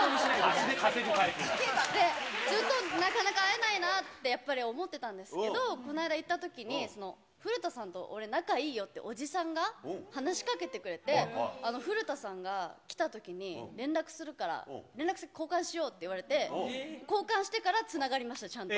足で稼ぐタイで、ずっとなかなか会えないなって、やっぱり思ってたんですけれども、この間行ったときに古田さんと俺、仲いいよっていうおじさんが、話しかけてくれて、古田さんが来たときに連絡するから、連絡先交換しようと言われて、交換してからつながりました、ちゃんと。